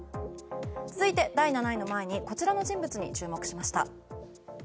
続いて、第７位の前にこちらの人物に注目しました。